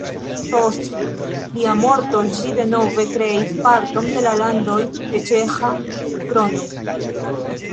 Post lia morto ĝi denove kreis parton de Landoj de Ĉeĥa Krono.